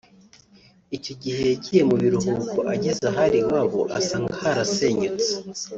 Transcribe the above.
Icyo gihe yagiye mu biruhuko ageze ahari iwabo asanga harasenyutse